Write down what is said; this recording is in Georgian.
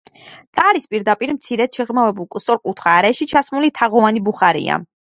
კარის პირდაპირ, მცირედ შეღრმავებულ სწორკუთხა არეში ჩასმული თაღოვანი ბუხარია.